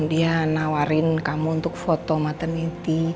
dia nawarin kamu untuk foto maternity